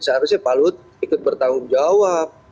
seharusnya pak luhut ikut bertanggung jawab